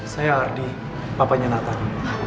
saya ardi bapaknya nathan